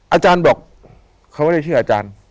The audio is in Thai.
อาจารย์บอกเขาไม่ได้เชื่ออาจารย์